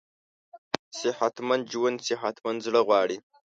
صحتمند ژوند صحتمند زړه غواړي.